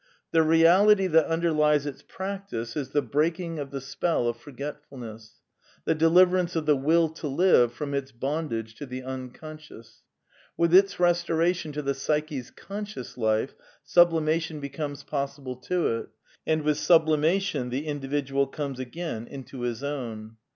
The reality that underlies its practice is the breaking of the spell of f orgetf ulness ; the deliverance of the Will to live from its bondage to the Unconscious. With its restoration to the psyche's conscious life sublima tion becomes possible to it. And with sublimation the in dividual comes again into his own.